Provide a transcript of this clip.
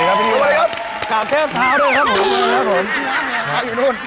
กล่าวอยู่นู้น